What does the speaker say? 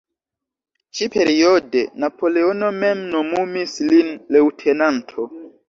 Ĉi-periode Napoleono mem nomumis lin leŭtenanto.